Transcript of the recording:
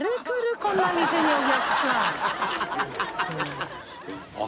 こんな店にお客さん。